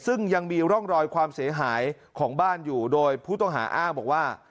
ซึ่งยังมีร่องรอยความเสียหายของบ้านอยู่โดยผู้ต้องหาอ้างบอกว่า